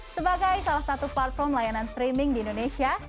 sebagai salah satu platform layanan streaming di indonesia